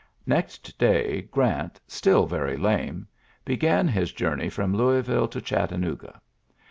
ISText day Grant, still ve lame, began his journey from Louisvi to Ghattanooga.